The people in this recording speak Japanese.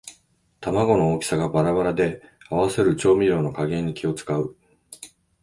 玉子の大きさがバラバラで合わせる調味料の加減に気をつかう